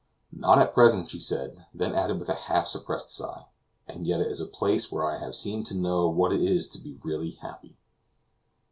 "Not at present," she said; then added, with a half suppressed sigh, "and yet it is a place where I have seemed to know what it is to be really happy."